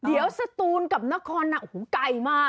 เดี๋ยวสตูนกับนครไก่มาก